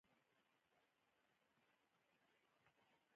همدارنګه له یو اړخیز راپور څخه مخنیوی کوم.